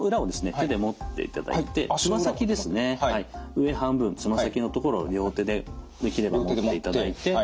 上半分爪先のところを両手でできれば持っていただいて。